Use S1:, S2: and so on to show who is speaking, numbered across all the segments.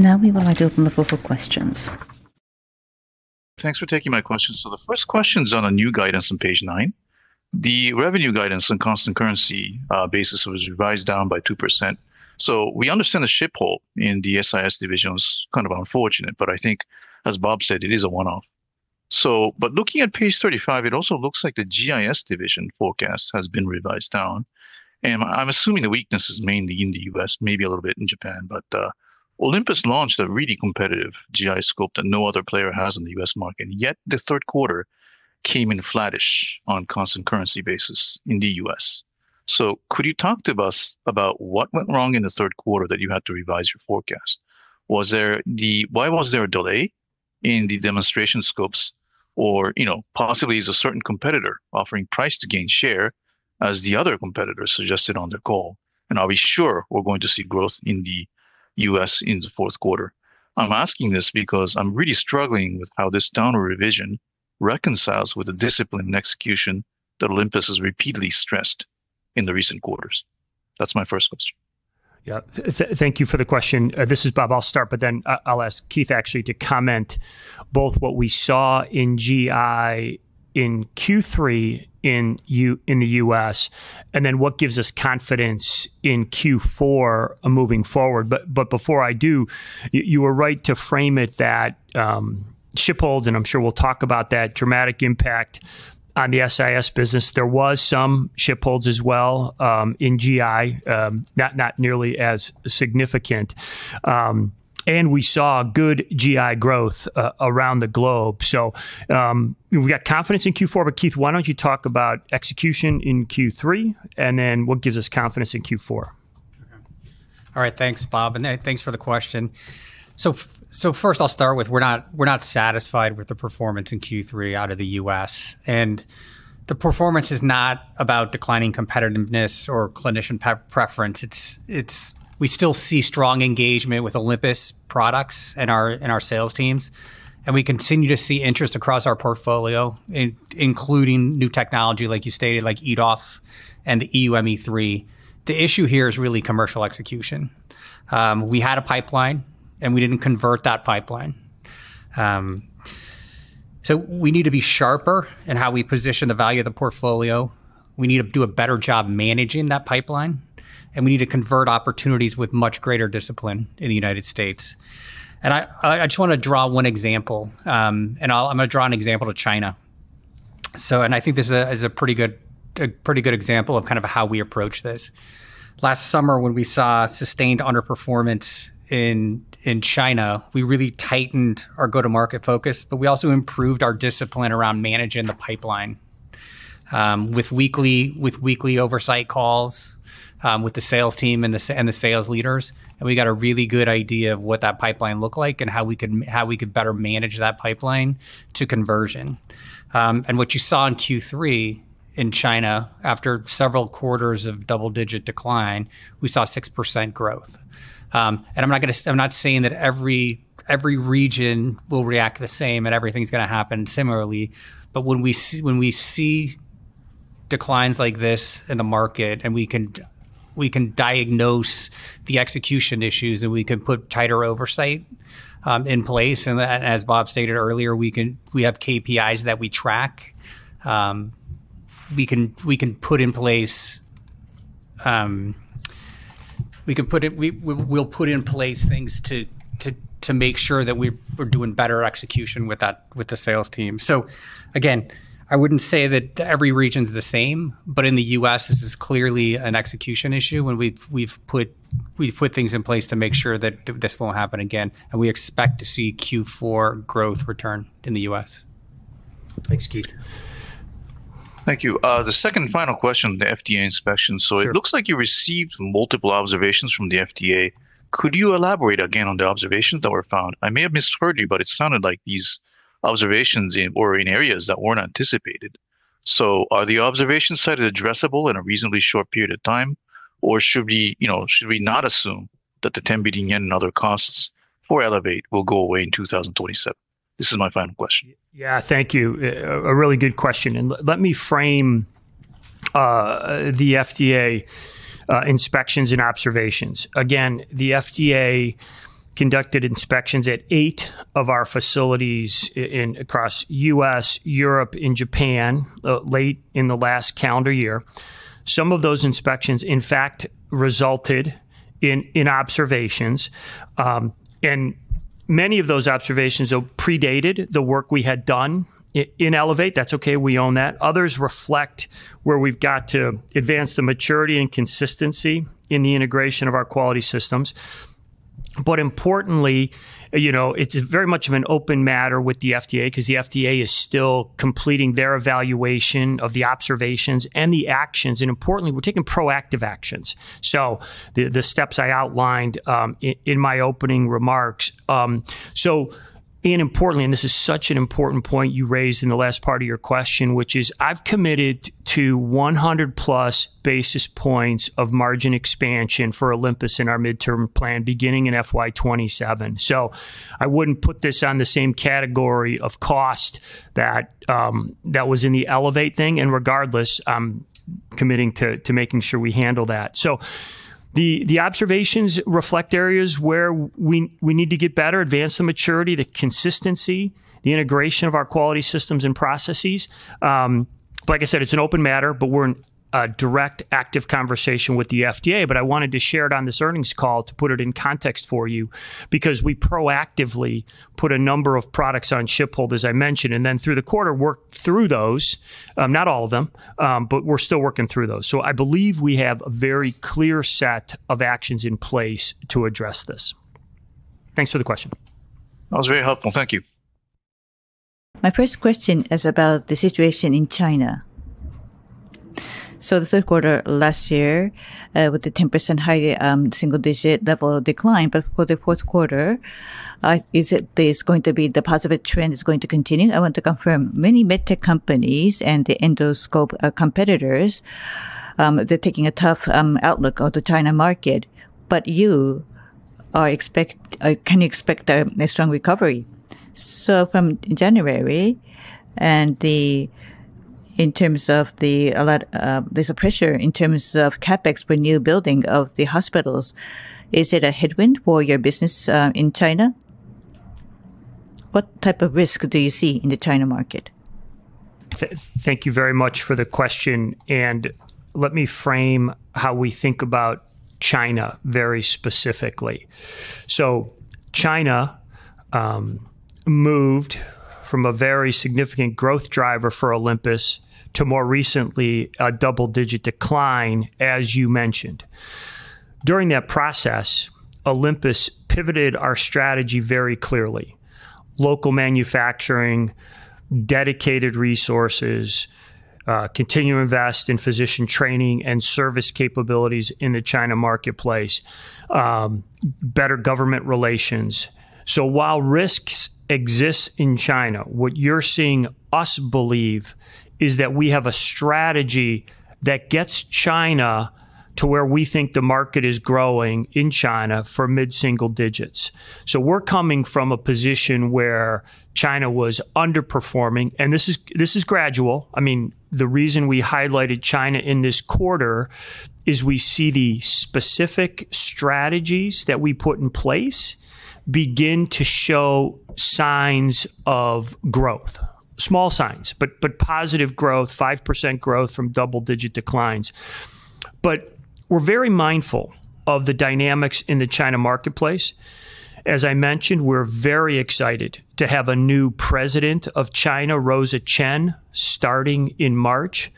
S1: Now we will open the floor for questions.
S2: Thanks for taking my questions. So the first question is on a new guidance on page nine. The revenue guidance on constant currency basis was revised down by 2%. So we understand the ship hold in the SIS division is kind of unfortunate, but I think as Bob said, it is a one-off. So, but looking at page 35, it also looks like the GIS division forecast has been revised down. And I'm assuming the weakness is mainly in the U.S., maybe a little bit in Japan, but Olympus launched a really competitive GI scope that no other player has in the U.S. market, and yet the third quarter came in flattish on constant currency basis in the U.S. So could you talk to us about what went wrong in the third quarter that you had to revise your forecast? Why was there a delay in the demonstration scopes or, you know, possibly is a certain competitor offering price to gain share, as the other competitors suggested on the call? And are we sure we're going to see growth in the U.S. in the fourth quarter? I'm asking this because I'm really struggling with how this downward revision reconciles with the discipline and execution that Olympus has repeatedly stressed in the recent quarters. That's my first question.
S3: Yeah, thank you for the question. This is Bob. I'll start, but then I'll ask Keith actually to comment both what we saw in GI in Q3, in the U.S., and then what gives us confidence in Q4 moving forward. But before I do, you were right to frame it that ship holds, and I'm sure we'll talk about that dramatic impact on the SIS business. There was some ship holds as well in GI, not nearly as significant. And we saw good GI growth around the globe. So we got confidence in Q4, but Keith, why don't you talk about execution in Q3, and then what gives us confidence in Q4?
S4: Okay. All right, thanks, Bob, and thanks for the question. So first I'll start with, we're not, we're not satisfied with the performance in Q3 out of the U.S., and the performance is not about declining competitiveness or clinician preference. It's we still see strong engagement with Olympus products and our, and our sales teams, and we continue to see interest across our portfolio, including new technology, like you stated, like EDOF and the EU-ME3. The issue here is really commercial execution. We had a pipeline, and we didn't convert that pipeline. So we need to be sharper in how we position the value of the portfolio. We need to do a better job managing that pipeline, and we need to convert opportunities with much greater discipline in the United States. And I just want to draw one example, and I'll... I'm going to draw an example to China. I think this is a pretty good example of kind of how we approach this. Last summer, when we saw sustained underperformance in China, we really tightened our go-to-market focus, but we also improved our discipline around managing the pipeline with weekly oversight calls with the sales team and the sales leaders. We got a really good idea of what that pipeline looked like and how we could better manage that pipeline to conversion. What you saw in Q3 in China, after several quarters of double-digit decline, we saw 6% growth. I'm not saying that every region will react the same and everything's going to happen similarly, but when we see declines like this in the market, and we can diagnose the execution issues, and we can put tighter oversight in place, and as Bob stated earlier, we have KPIs that we track. We can put in place things to make sure that we're doing better execution with that, with the sales team. So again, I wouldn't say that every region's the same, but in the U.S., this is clearly an execution issue, and we've put things in place to make sure that this won't happen again, and we expect to see Q4 growth return in the U.S.
S3: Thanks, Keith.
S2: Thank you. The second and final question, the FDA inspection.
S4: Sure.
S2: So it looks like you received multiple observations from the FDA. Could you elaborate again on the observations that were found? I may have misheard you, but it sounded like these observations were in areas that weren't anticipated. So are the observations cited addressable in a reasonably short period of time, or should we, you know, should we not assume that the 10 billion yen and other costs for Elevate will go away in 2027? This is my final question.
S3: Yeah, thank you. A really good question, and let me frame the FDA inspections and observations. Again, the FDA conducted inspections at eight of our facilities in across U.S., Europe, and Japan late in the last calendar year. Some of those inspections, in fact, resulted in observations. And many of those observations, though, predated the work we had done in Elevate. That's okay, we own that. Others reflect where we've got to advance the maturity and consistency in the integration of our quality systems. But importantly, you know, it's very much of an open matter with the FDA because the FDA is still completing their evaluation of the observations and the actions, and importantly, we're taking proactive actions. So the steps I outlined in my opening remarks. And importantly, and this is such an important point you raised in the last part of your question, which is I've committed to 100+ basis points of margin expansion for Olympus in our midterm plan, beginning in FY 2027. I wouldn't put this on the same category of cost that was in the Elevate thing. And regardless, committing to making sure we handle that. The observations reflect areas where we need to get better, advance the maturity, the consistency, the integration of our quality systems and processes. Like I said, it's an open matter, but we're in a direct, active conversation with the FDA. I wanted to share it on this earnings call to put it in context for you, because we proactively put a number of products on ship hold, as I mentioned, and then through the quarter, worked through those, not all of them, but we're still working through those. I believe we have a very clear set of actions in place to address this. Thanks for the question.
S2: That was very helpful. Thank you.
S5: My first question is about the situation in China. So the third quarter last year, with the 10% high single-digit level decline, but for the fourth quarter, is it there's going to be the positive trend is going to continue? I want to confirm, many MedTech companies and the endoscope competitors, they're taking a tough outlook on the China market. But you can expect a strong recovery. So from January, in terms of a lot, there's a pressure in terms of CapEx for new building of the hospitals. Is it a headwind for your business in China? What type of risk do you see in the China market?
S4: Thank you very much for the question, and let me frame how we think about China very specifically. So China moved from a very significant growth driver for Olympus to more recently a double-digit decline, as you mentioned. During that process, Olympus pivoted our strategy very clearly: local manufacturing, dedicated resources, continue to invest in physician training and service capabilities in the China marketplace, better government relations. So while risks exist in China, what you're seeing us believe is that we have a strategy that gets China to where we think the market is growing in China for mid-single digits. So we're coming from a position where China was underperforming, and this is, this is gradual. I mean, the reason we highlighted China in this quarter is we see the specific strategies that we put in place begin to show signs of growth. Small signs, but positive growth, 5% growth from double-digit declines. But we're very mindful of the dynamics in the China marketplace. As I mentioned, we're very excited to have a new President of China, Rosa Chen, starting in March.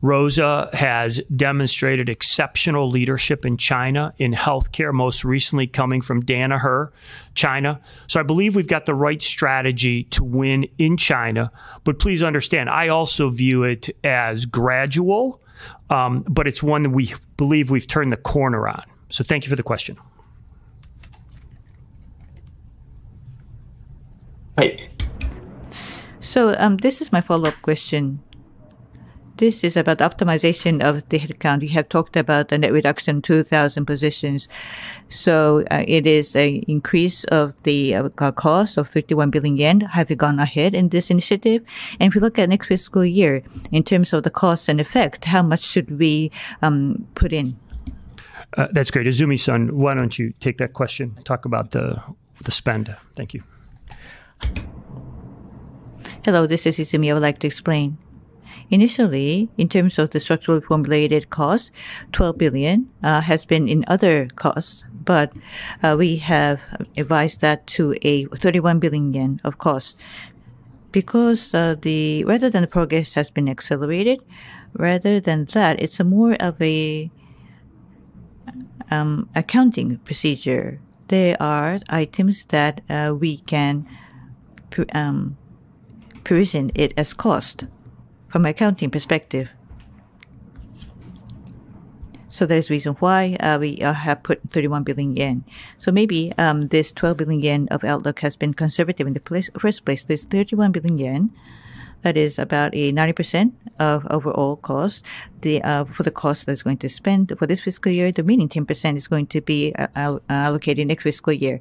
S4: Rosa has demonstrated exceptional leadership in China in healthcare, most recently coming from Danaher China. So I believe we've got the right strategy to win in China. But please understand, I also view it as gradual, but it's one that we believe we've turned the corner on. So thank you for the question.
S5: So, this is my follow-up question. This is about optimization of the headcount. You have talked about the net reduction, 2,000 positions, so, it is a increase of the, cost of 31 billion yen. Have you gone ahead in this initiative? And if you look at next fiscal year, in terms of the cost and effect, how much should we put in?
S4: That's great. Izumi-san, why don't you take that question, talk about the spend? Thank you.
S6: Hello, this is Izumi. I would like to explain. Initially, in terms of the structural-related cost, 12 billion has been in other costs, but we have revised that to 31 billion yen of cost. Because the rather than the progress has been accelerated, rather than that, it's more of a accounting procedure. There are items that we can provision it as cost from an accounting perspective. So there's reason why we have put 31 billion yen. So maybe this 12 billion yen of outlook has been conservative in the first place. This 31 billion yen, that is about 90% of overall cost, the for the cost that's going to spend. For this fiscal year, the remaining 10% is going to be allocated next fiscal year.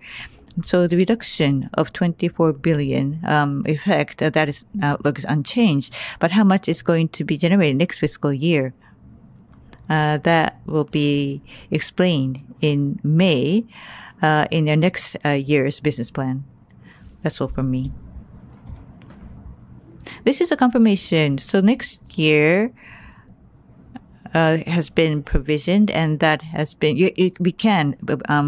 S6: So the reduction of 24 billion effect, that is, looks unchanged. But how much is going to be generated next fiscal year? That will be explained in May, in the next year's business plan. That's all from me. This is a confirmation. So next year has been provisioned, and that has been. Yes, we can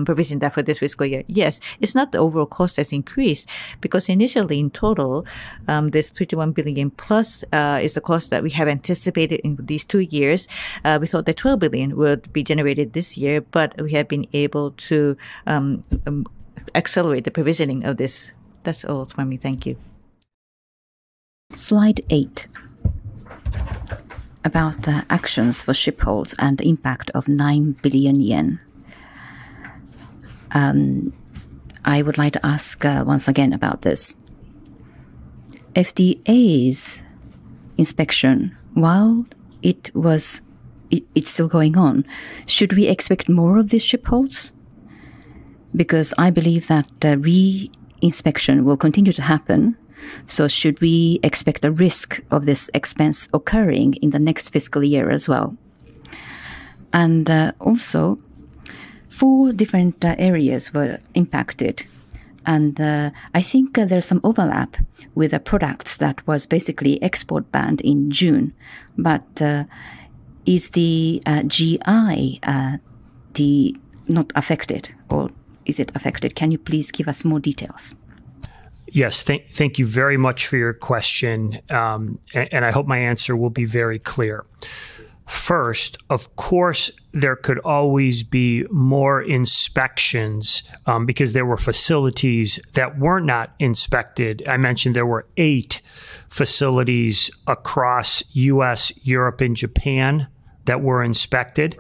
S6: provision that for this fiscal year. Yes, it's not the overall cost that's increased, because initially, in total, this 31 billion plus is the cost that we have anticipated in these two years. We thought that 12 billion would be generated this year, but we have been able to accelerate the provisioning of this. That's all for me. Thank you.
S7: Slide 8, about the actions for ship holds and the impact of 9 billion yen. I would like to ask once again about this. FDA's inspection, while it was—it, it's still going on, should we expect more of these ship holds?... Because I believe that the re-inspection will continue to happen, so should we expect the risk of this expense occurring in the next fiscal year as well? And, also, four different areas were impacted, and, I think there's some overlap with the products that was basically export banned in June. But, is the GI not affected or is it affected? Can you please give us more details?
S3: Yes. Thank you very much for your question, and I hope my answer will be very clear. First, of course, there could always be more inspections, because there were facilities that were not inspected. I mentioned there were eight facilities across U.S., Europe, and Japan that were inspected.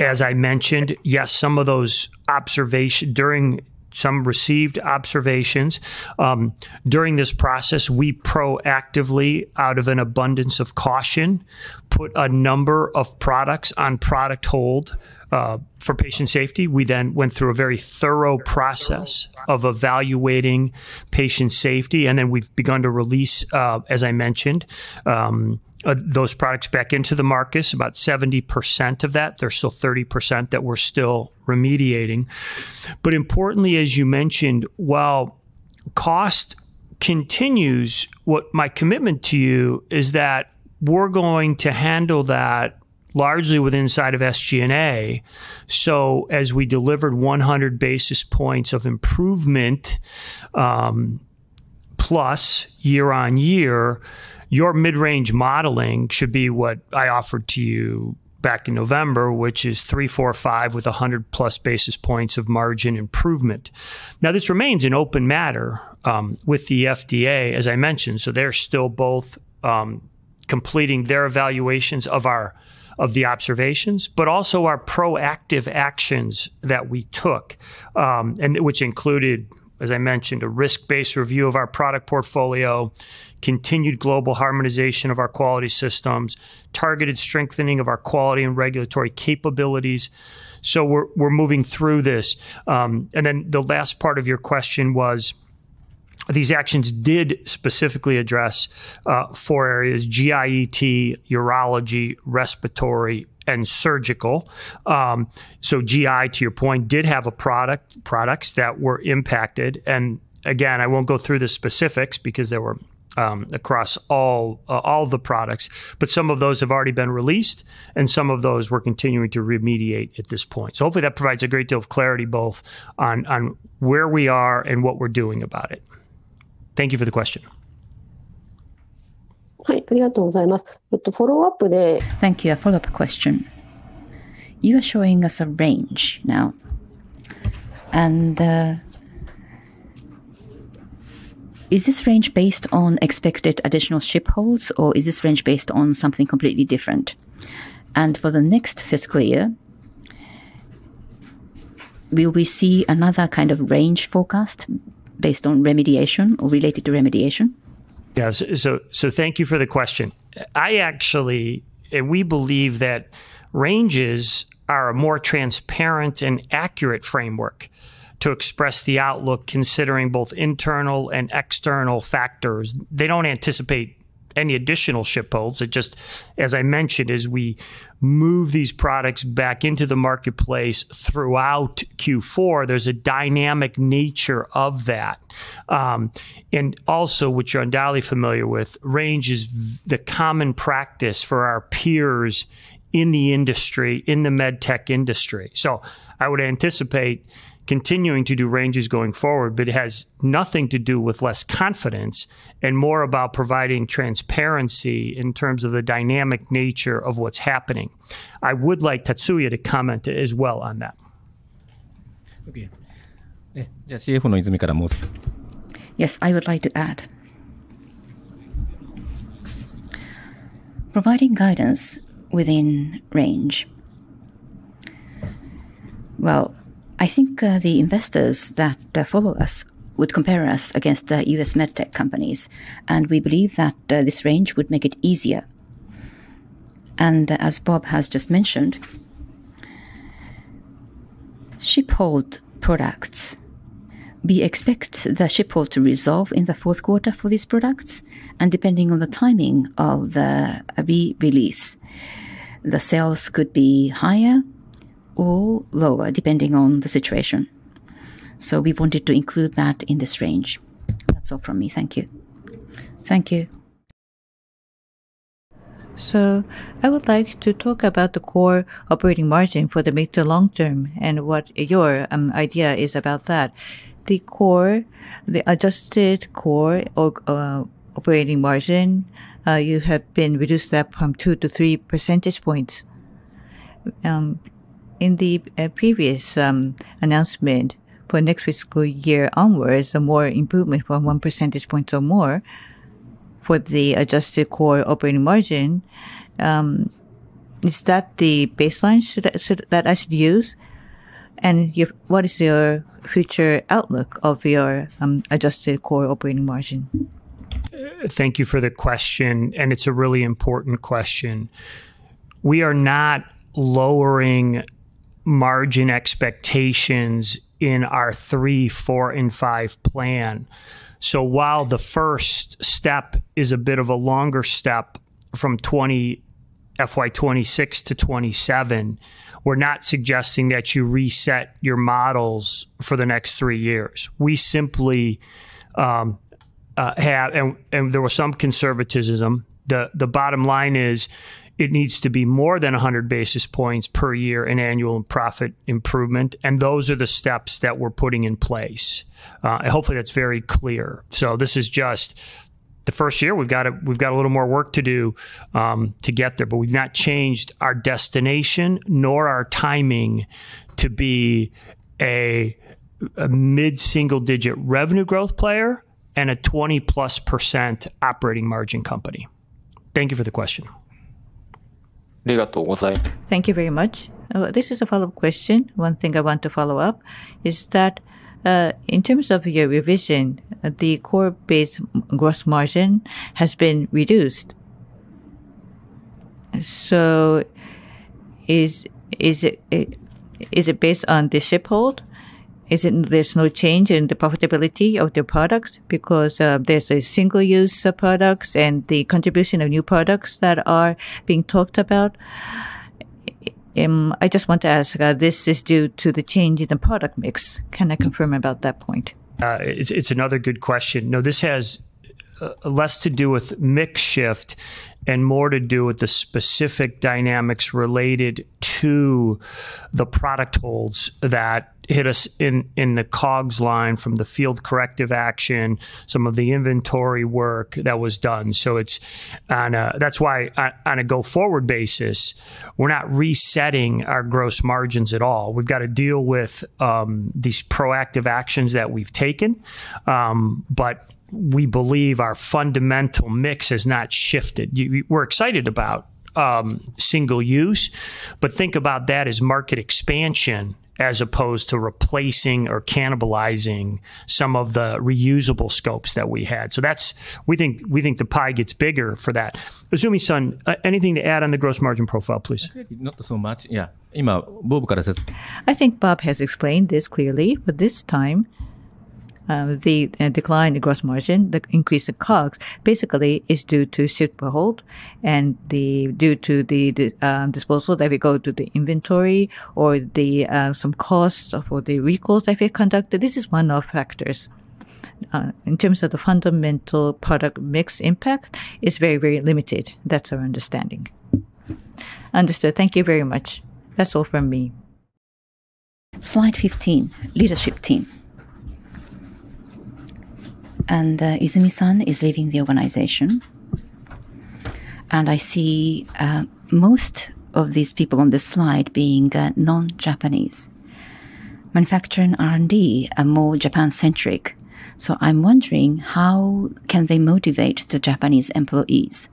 S3: As I mentioned, yes, some of those observation during some received observations, during this process, we proactively, out of an abundance of caution, put a number of products on product hold, for patient safety. We then went through a very thorough process of evaluating patient safety, and then we've begun to release, as I mentioned, those products back into the markets, about 70% of that. There's still 30% that we're still remediating. But importantly, as you mentioned, while cost continues, my commitment to you is that we're going to handle that largely with inside of SG&A. So as we delivered 100 basis points of improvement, plus year-on-year, your mid-range modeling should be what I offered to you back in November, which is three, four, five, with a 100+ basis points of margin improvement. Now, this remains an open matter, with the FDA, as I mentioned, so they're still both completing their evaluations of the observations, but also our proactive actions that we took, and which included, as I mentioned, a risk-based review of our product portfolio, continued global harmonization of our quality systems, targeted strengthening of our quality and regulatory capabilities. So we're moving through this. And then the last part of your question was, these actions did specifically address four areas: GI, ET, urology, respiratory, and surgical. So GI, to your point, did have a product, products that were impacted. And again, I won't go through the specifics because they were across all the products, but some of those have already been released, and some of those we're continuing to remediate at this point. So hopefully that provides a great deal of clarity both on where we are and what we're doing about it. Thank you for the question.
S7: Thank you. A follow-up question. You are showing us a range now, and is this range based on expected additional ship holds, or is this range based on something completely different? And for the next fiscal year, will we see another kind of range forecast based on remediation or related to remediation?
S3: Yeah. So thank you for the question. I actually, we believe that ranges are a more transparent and accurate framework to express the outlook, considering both internal and external factors. They don't anticipate any additional ship holds. It just, as I mentioned, as we move these products back into the marketplace throughout Q4, there's a dynamic nature of that. And also, which you're undoubtedly familiar with, range is the common practice for our peers in the industry, in the MedTech industry. So I would anticipate continuing to do ranges going forward, but it has nothing to do with less confidence and more about providing transparency in terms of the dynamic nature of what's happening. I would like Tatsuya to comment as well on that.
S6: Yes, I would like to add. Providing guidance within range, well, I think the investors that follow us would compare us against the U.S. MedTech companies, and we believe that this range would make it easier. And as Bob has just mentioned, ship hold products, we expect the ship hold to resolve in the fourth quarter for these products, and depending on the timing of the re-release, the sales could be higher or lower, depending on the situation. So we wanted to include that in this range. That's all from me. Thank you.
S7: Thank you.
S8: So I would like to talk about the core operating margin for the mid to long term and what your idea is about that. The core, the adjusted core op operating margin, you have been reduced that from 2-3 percentage points. In the previous announcement for next fiscal year onwards, the more improvement from 1 percentage point or more for the adjusted core operating margin, is that the baseline should that I should use? And your what is your future outlook of your adjusted core operating margin?...
S3: Thank you for the question, and it's a really important question. We are not lowering margin expectations in our three, four, and five plan. So while the first step is a bit of a longer step from 20-- FY 2026 to 2027, we're not suggesting that you reset your models for the next three years. We simply have, and there was some conservatism. The bottom line is, it needs to be more than 100 basis points per year in annual profit improvement, and those are the steps that we're putting in place. And hopefully, that's very clear. So this is just the first year. We've got a little more work to do to get there, but we've not changed our destination nor our timing to be a mid-single-digit revenue growth player and a 20+% operating margin company. Thank you for the question.
S8: Thank you very much. This is a follow-up question. One thing I want to follow up is that, in terms of your revision, the core base gross margin has been reduced. Is it based on the ship hold? Is it there's no change in the profitability of the products because there's a single-use products and the contribution of new products that are being talked about? I just want to ask, this is due to the change in the product mix. Can I confirm about that point?
S3: It's another good question. No, this has less to do with mix shift and more to do with the specific dynamics related to the product holds that hit us in the COGS line from the field corrective action, some of the inventory work that was done. So it's on a go-forward basis. That's why on a go-forward basis, we're not resetting our gross margins at all. We've got to deal with these proactive actions that we've taken, but we believe our fundamental mix has not shifted. We're excited about single use, but think about that as market expansion as opposed to replacing or cannibalizing some of the reusable scopes that we had. So that's, we think, we think the pie gets bigger for that. Izumi-san, anything to add on the gross margin profile, please?
S6: Not so much. Yeah.
S8: I think Bob has explained this clearly, but this time, the decline in the gross margin, the increase in COGS, basically is due to ship hold and the, due to the disposal that we go to the inventory or the, some costs of the recalls that we conducted. This is one of factors. In terms of the fundamental product mix impact, it's very, very limited. That's our understanding. Understood. Thank you very much. That's all from me.
S7: Slide 15, leadership team. Izumi-san is leaving the organization, and I see most of these people on this slide being non-Japanese. Manufacturing R&D are more Japan-centric, so I'm wondering: How can they motivate the Japanese employees?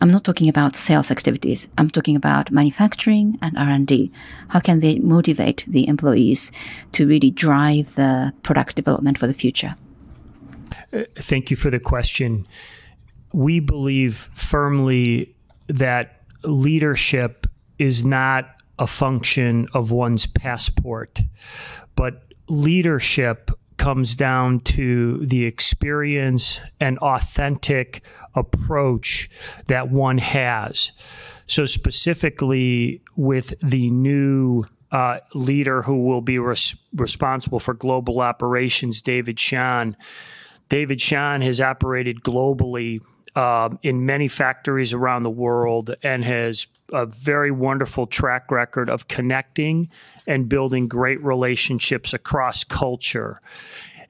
S7: I'm not talking about sales activities. I'm talking about manufacturing and R&D. How can they motivate the employees to really drive the product development for the future?
S3: Thank you for the question. We believe firmly that leadership is not a function of one's passport, but leadership comes down to the experience and authentic approach that one has. So specifically, with the new leader who will be responsible for global operations, David Shen. David Shen has operated globally in many factories around the world and has a very wonderful track record of connecting and building great relationships across culture.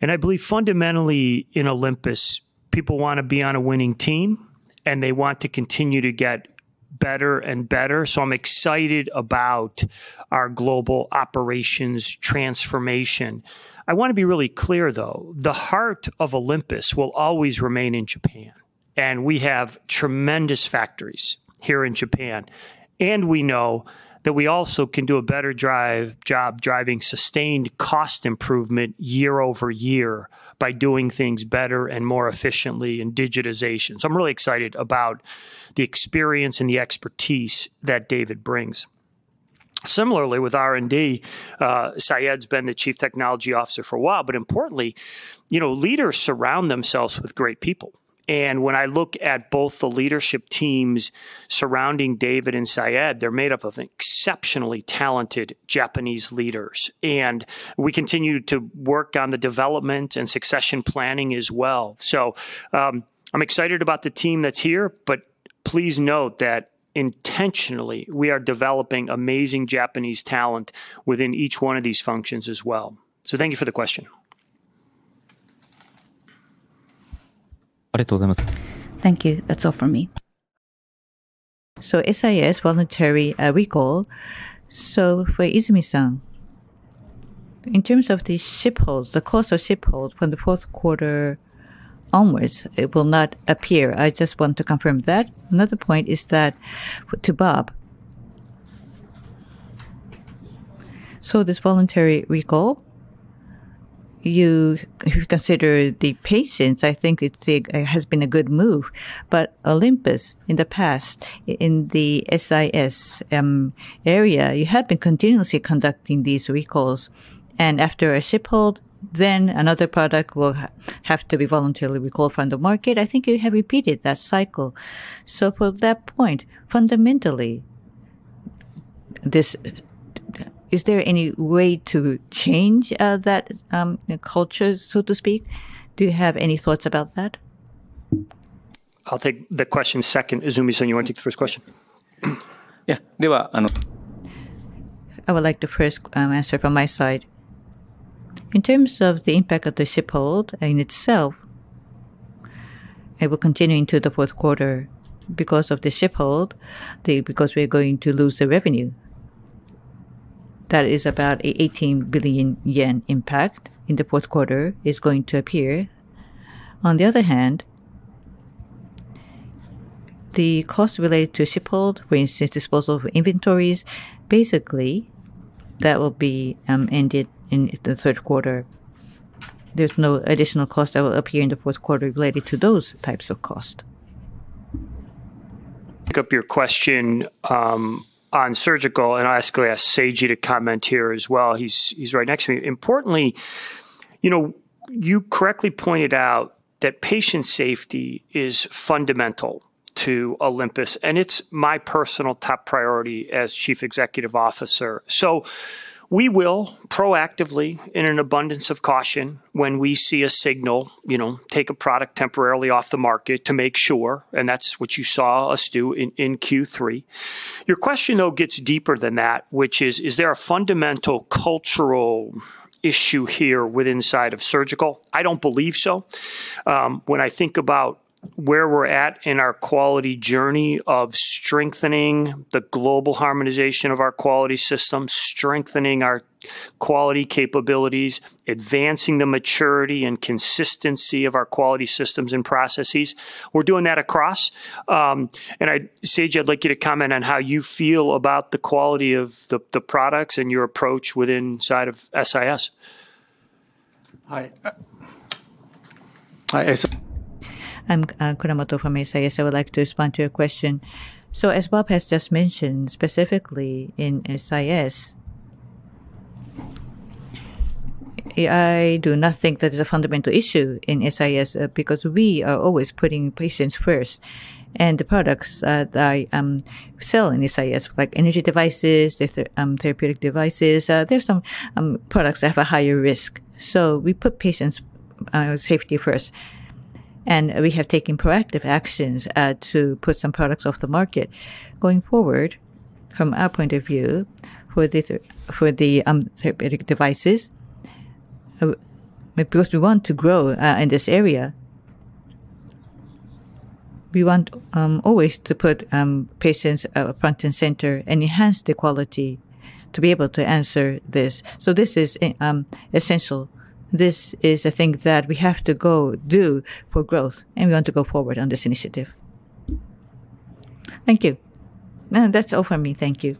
S3: And I believe fundamentally in Olympus, people want to be on a winning team, and they want to continue to get better and better, so I'm excited about our global operations transformation. I want to be really clear, though. The heart of Olympus will always remain in Japan, and we have tremendous factories here in Japan, and we know that we also can do a better job driving sustained cost improvement year over year by doing things better and more efficiently in digitization. So I'm really excited about the experience and the expertise that David brings. Similarly, with R&D, Sayed's been the Chief Technology Officer for a while, but importantly, you know, leaders surround themselves with great people. And when I look at both the leadership teams surrounding David and Sayed, they're made up of exceptionally talented Japanese leaders, and we continue to work on the development and succession planning as well. So, I'm excited about the team that's here, but please note that intentionally, we are developing amazing Japanese talent within each one of these functions as well. So thank you for the question.
S7: Thank you. That's all from me.
S8: So SIS voluntary recall. So for Izumi-san, in terms of the ship holds, the cost of ship hold from the fourth quarter onwards, it will not appear. I just want to confirm that. Another point is that, So this voluntary recall, you, if you consider the patients, I think it, it has been a good move. But Olympus, in the past, in the SIS area, you have been continuously conducting these recalls, and after a ship hold, then another product will have to be voluntarily recalled from the market. I think you have repeated that cycle. So from that point, fundamentally, this, is there any way to change that culture, so to speak? Do you have any thoughts about that?
S4: I'll take the question second. Izumi-san, you want to take the first question?
S6: Yeah. I would like to first answer from my side. In terms of the impact of the ship hold in itself, it will continue into the fourth quarter because of the ship hold, because we are going to lose the revenue. That is about a 18 billion yen impact in the fourth quarter is going to appear. On the other hand, the cost related to ship hold, for instance, disposal of inventories, basically that will be ended in the third quarter. There's no additional cost that will appear in the fourth quarter related to those types of cost.
S3: Pick up your question on surgical, and I'll actually ask Seiji to comment here as well. He's right next to me. Importantly, you know, you correctly pointed out that patient safety is fundamental to Olympus, and it's my personal top priority as Chief Executive Officer. So we will proactively, in an abundance of caution, when we see a signal, you know, take a product temporarily off the market to make sure, and that's what you saw us do in Q3. Your question, though, gets deeper than that, which is: Is there a fundamental cultural issue here with inside of surgical? I don't believe so. When I think about where we're at in our quality journey of strengthening the global harmonization of our quality system, strengthening our quality capabilities, advancing the maturity and consistency of our quality systems and processes, we're doing that across.
S4: Seiji, I'd like you to comment on how you feel about the quality of the products and your approach with inside of SIS.
S9: Hi. Hi. I'm Kuramoto from SIS. I would like to respond to your question. So as Bob has just mentioned, specifically in SIS, I do not think that is a fundamental issue in SIS, because we are always putting patients first. And the products that I sell in SIS, like energy devices, the therapeutic devices, there's some products that have a higher risk. So we put patients' safety first, and we have taken proactive actions to put some products off the market. Going forward, from our point of view, for the therapeutic devices, because we want to grow in this area, we want always to put patients front and center, and enhance the quality to be able to answer this. So this is essential. This is a thing that we have to go do for growth, and we want to go forward on this initiative. Thank you. No, that's all for me. Thank you.